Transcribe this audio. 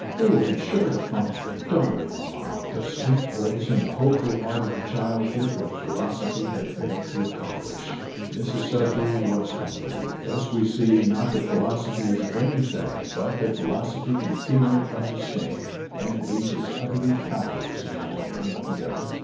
They will be sure to find them, darling mamma!" The sweet voice and the hopeful heart of the child did what philosophy had failed to accomplish Mrs Sudberry was comforted. Thus we see, not that philosophy is a vain thing, but that philosophy and feeling are distinct, and that each is utterly powerless in the domain of the other.